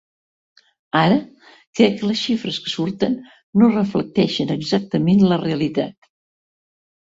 Ara, crec que les xifres que surten no reflecteixen exactament la realitat.